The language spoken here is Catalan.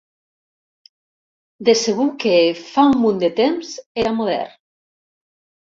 De segur que, fa un munt de temps, era modern.